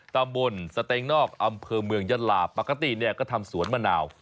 ตำบลสเตงนอกอำเภอเมืองยะลาปกติเนี่ยก็ทำสวนมะนาว